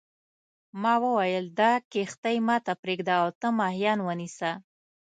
ما وویل دا کښتۍ ما ته پرېږده او ته ماهیان ونیسه.